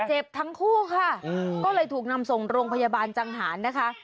เจ็บทั้งคู่ค่ะก็เลยถูกนำส่งโรงพยาบาลจังหารนะคะ